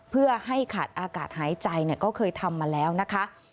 เพื่อให้ขาดอากาศหายใจก็เคยทำมาแล้วนะคะ